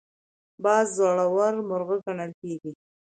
باز زړور مرغه ګڼل کېږي